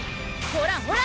ほらほら！